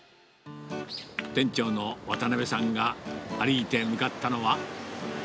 店長のわたなべさんが歩いて向かったのは。